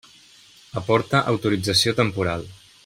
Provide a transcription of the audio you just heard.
Aporta autorització temporal.